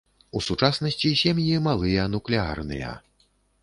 У сучаснасці сем'і малыя нуклеарныя.